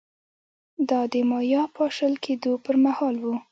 دا د مایا پاشل کېدو پرمهال و